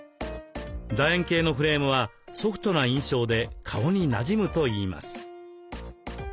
楕円形のフレームはソフトな印象で顔になじむといいます。